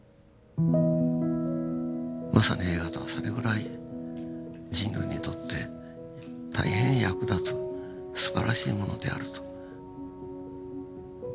まさに映画とはそれぐらい人類にとって大変役立つすばらしいものであると。